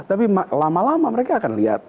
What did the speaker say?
tapi lama lama mereka akan lihat